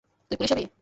তুই পুলিশ হবি।